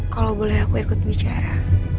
kalau boleh aku ikut bicara